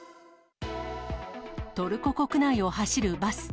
トルコ国内を走るバス。